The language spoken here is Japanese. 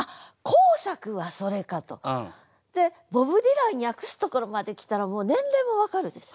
でボブ・ディラン訳すところまで来たらもう年齢も分かるでしょ？